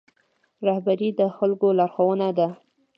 رهبري د خلکو لارښوونه ده